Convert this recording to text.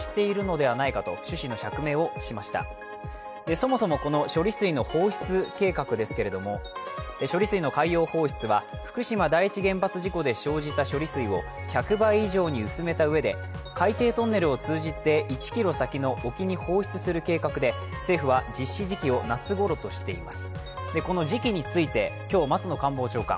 そもそも処理水の放出計画ですけれども処理水の海洋放出は福島第一原発事故で生じた処理水を１００倍以上に薄めたうえで海底トンネルを通じて１ｋｍ先の沖に放出する計画で政府は実施時期を夏ごろとしています。